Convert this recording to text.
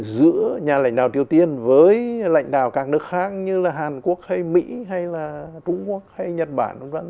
giữa nhà lãnh đạo triều tiên với lãnh đạo các nước khác như là hàn quốc hay mỹ hay là trung quốc hay nhật bản